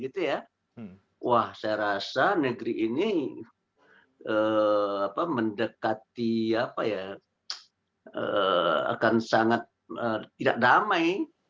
saya rasa negeri ini akan sangat tidak damai